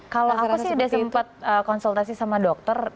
kalau aku sih sudah sempat konsultasi sama dokter